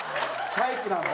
タイプなの？